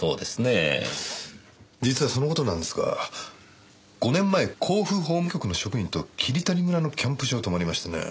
実はその事なんですが５年前甲府法務局の職員と霧谷村のキャンプ場に泊まりましてね。